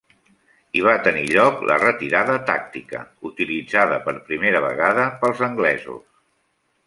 Hi va tenir lloc la retirada tàctica, utilitzada per primera vegada pels anglesos.